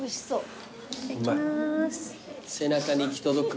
背中に行き届く。